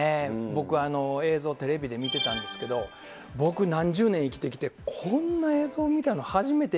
僕、映像テレビで見てたんですけど、僕、何十年生きてきて、こんな映像見たの、初めて。